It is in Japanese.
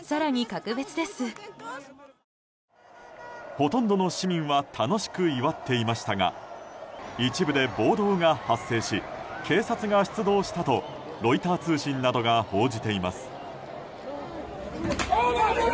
ほとんどの市民は楽しく祝っていましたが一部で暴動が発生し警察が出動したとロイター通信などが報じています。